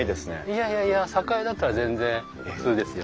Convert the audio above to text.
いやいやいや酒蔵だったら全然普通ですよ。